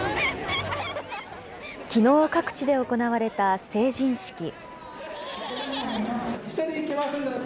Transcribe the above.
きのう各地で行われた成人式。